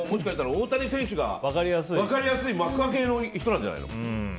大谷選手が分かりやすい幕開けの人なんじゃないの？